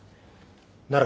なら